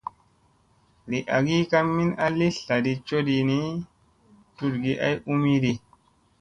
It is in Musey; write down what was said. Li agi ka min a li tlaɗi coɗii ni, tuɗgi ay umiɗi.